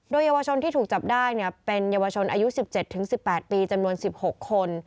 โดยเยาวชนที่ถูกจับได้เป็นเยาวชนอายุ๑๗๑๘ปีจำนวน๑๖คน